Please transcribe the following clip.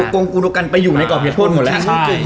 กองกุโนกันไปอยู่ในก่อเพียดโทษหมดแล้ว